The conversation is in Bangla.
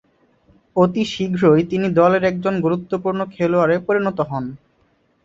অতি শীঘ্রই তিনি দলের একজন গুরুত্বপূর্ণ খেলোয়াড়ে পরিণত হন।